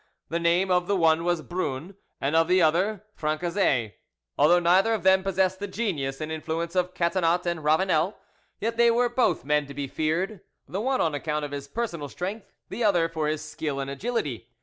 The name of the one was Brun and of the other Francezet. Although neither of them possessed the genius and influence of Catinat and Ravanel, yet they were both men to be feared, the one on account of his personal strength, the other for his skill and agility.